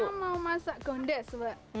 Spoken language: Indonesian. kita mau masak gondes bu